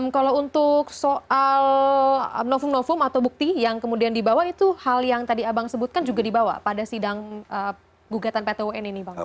kalau untuk soal nofum novum atau bukti yang kemudian dibawa itu hal yang tadi abang sebutkan juga dibawa pada sidang gugatan pt un ini bang